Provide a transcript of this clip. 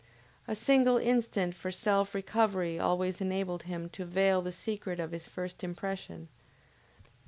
A single instant for self recovery always enabled him to veil the secret of his first impression.